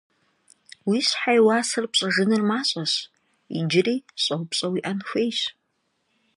Уи щхьэ и уасэр пщӏэжыныр мащӏэщ - иджыри щӏэупщӏэ уиӏэн хуейщ.